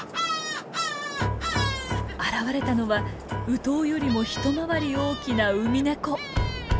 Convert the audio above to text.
現れたのはウトウよりも一回り大きなウミネコ。